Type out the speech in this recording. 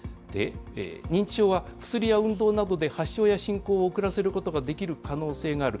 認知症は薬や運動などで発症や進行を遅らせることができる可能性がある。